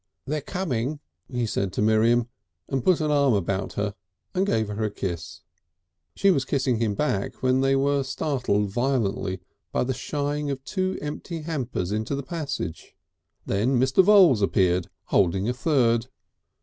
"They're coming," he said to Miriam, and put an arm about her and gave her a kiss. She was kissing him back when they were startled violently by the shying of two empty hampers into the passage. Then Mr. Voules appeared holding a third.